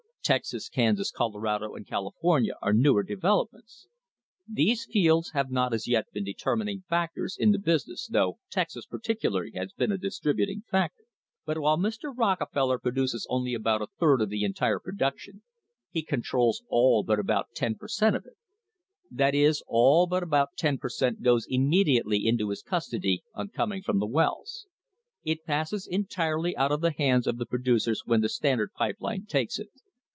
Texas, Kansas, Colorado and California are newer developments. These fields have not as yet been deter mining factors in the business, though Texas particularly has been a distributing factor.) But while Mr. Rockefeller pro duces only about a third of the entire production, he controls all but about ten per cent, of it; that is, all but about ten per cent, goes immediately into his custody on coming from the wells. It passes entirely out of the hands of the producers when the Standard pipe line takes it.